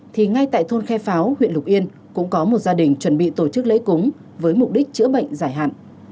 thì ngay tại thôn khe pháo huyện lục yên cũng có một gia đình chuẩn bị tổ chức lễ cúng với mục đích chữa bệnh giải hạn